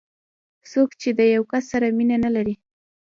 څوک چې د یو کس سره مینه نه لري.